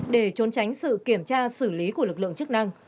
để trốn tránh sự kiểm tra xử lý của lực lượng chức năng